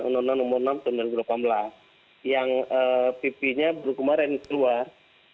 undang undang nomor enam tahun dua ribu delapan belas yang pp nya baru kemarin keluar